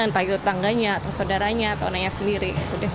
entah itu tangganya atau saudaranya atau anaknya sendiri